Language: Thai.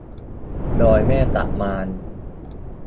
ดอยแม่ตะมาน